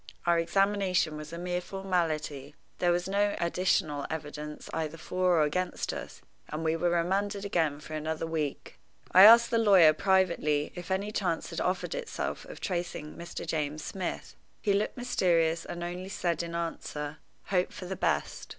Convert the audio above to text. Our examination was a mere formality. There was no additional evidence either for or against us, and we were remanded again for another week. I asked the lawyer, privately, if any chance had offered itself of tracing Mr. James Smith. He looked mysterious, and only said in answer, "Hope for the best."